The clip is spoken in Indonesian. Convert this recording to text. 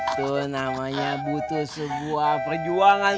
tuh namanya butuh sebuah perjuangan